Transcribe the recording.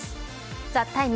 「ＴＨＥＴＩＭＥ，」